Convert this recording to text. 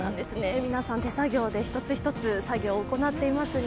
皆さん、手作業で一つ一つ手作業で作業を行っていますが。